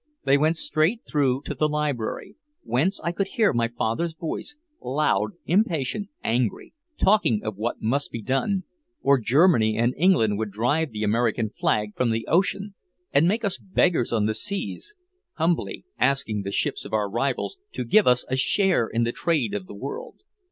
They went straight through to the library, whence I could hear my father's voice, loud, impatient, angry, talking of what must be done soon, or Germany and England would drive the American flag from the ocean and make us beggars on the seas, humbly asking the ships of our rivals to give us a share in the trade of the world.